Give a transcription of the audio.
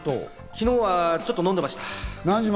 昨日はちょっと飲んでました。